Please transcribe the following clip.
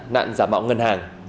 nạn giả mạo ngân hàng